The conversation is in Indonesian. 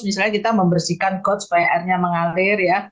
misalnya kita membersihkan got supaya airnya mengalir ya